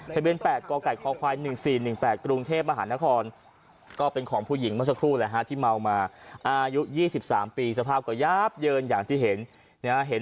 ทะเบียน๘กกคควาย๑๔๑๘กรุงเทพมหานครก็เป็นของผู้หญิงเมื่อสักครู่แหละฮะที่เมามาอายุ๒๓ปีสภาพก็ยาบเยินอย่างที่เห็นนะฮะ